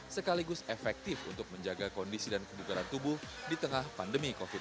sekaligus efektif untuk menjaga kondisi dan kebugaran tubuh di tengah pandemi covid sembilan belas